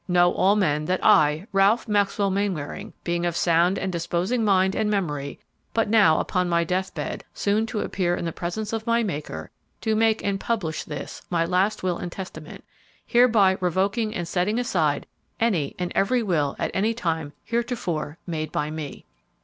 Know all men, that I, Ralph Maxwell Mainwaring, being of sound and disposing mind and memory, but now upon my death bed, soon to appear in the presence of my Maker, do make and publish this, my last will and testament; hereby revoking and setting aside any and every will at any time heretofore made by me."